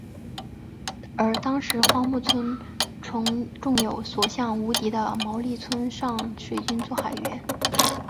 而当时荒木村重有所向无敌的毛利村上水军作海援。